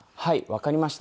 わかりました。